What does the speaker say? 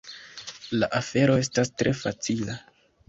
La afero estas tre facila.